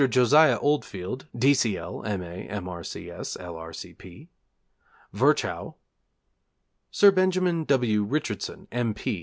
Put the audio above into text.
Josiah Oldfield, D.C.L., M.A., M.R.C.S., L.R.C.P. Virchow Sir Benjamin W. Richardson, M.